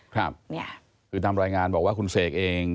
คือตามรายงานบอกว่าคุณเสกเอง